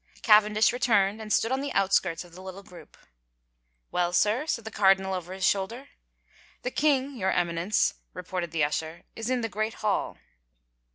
Cavendish returned and stood on the outskirts of the little group. "Well, sir?" said the cardinal over his shoulder. " The king, your Eminence," reported the usher, " is in the great hall."